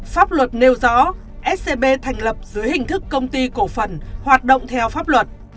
pháp luật nêu rõ scb thành lập dưới hình thức công ty cổ phần hoạt động theo pháp luật